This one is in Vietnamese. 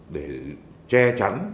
để che chắn